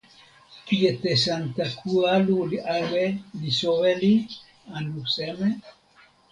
kijetesantakalu ale li soweli anu seme?